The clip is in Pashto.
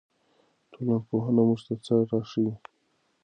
ټولنپوهنه موږ ته څه راښيي؟